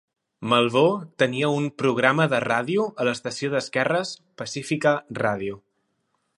Malveaux tenia un programa de ràdio a l'estació d'esquerres Pacifica Radio.